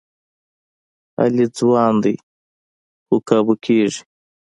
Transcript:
علي ځوان دی، خو قابو کېږي.